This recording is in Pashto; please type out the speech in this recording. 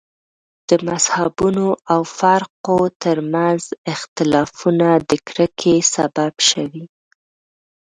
د مذهبونو او فرقو تر منځ اختلافونه د کرکې سبب شوي.